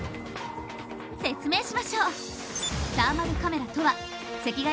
説明しましょう。